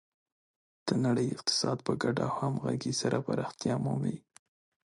د نړۍ اقتصاد په ګډه او همغږي سره پراختیا مومي.